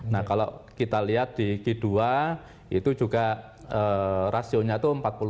nah kalau kita lihat di g dua itu juga rasionya itu empat puluh lima